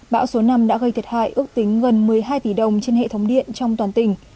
bão số năm đã gây thiệt hại ước tính gần một mươi hai tỷ đồng trên hệ thống điện trong toàn tỉnh